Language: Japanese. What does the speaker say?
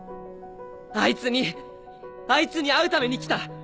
あいつにあいつに会うために来た！